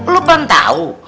lu kan tau